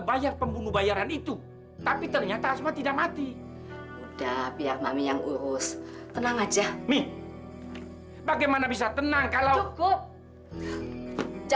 beritahu mami yang urus mami yang urus